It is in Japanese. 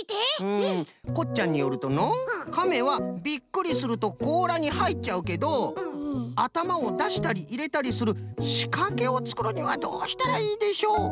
こっちゃんによるとのう「カメはびっくりするとこうらにはいっちゃうけどあたまをだしたりいれたりするしかけをつくるにはどうしたらいいでしょう？」とのことです。